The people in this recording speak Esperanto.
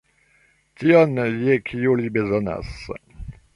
Tion, je kio li bezonas.